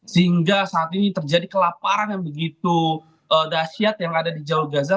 sehingga saat ini terjadi kelaparan yang begitu dasyat yang ada di jalur gaza